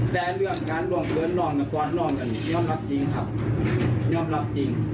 แต่เรื่องการล่วงเกินน้องกับกอดน้องก็นิยมรับจริงครับนิยมรับจริง